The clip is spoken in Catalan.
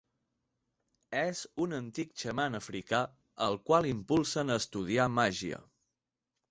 És un antic xaman africà, el qual impulsen a estudiar màgia.